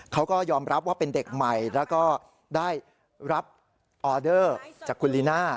เขาก็ยอมรับว่าเป็นเด็กใหม่แล้วก็ได้รับออเดอร์จากคุณลีน่า